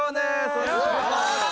よろしくお願いします